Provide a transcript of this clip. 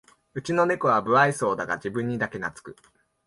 うちのネコは無愛想だが自分にだけなつく